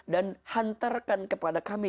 dan hantarkan kepada kami